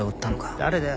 誰だよ？